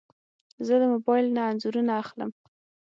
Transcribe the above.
زه له موبایل نه انځورونه اخلم.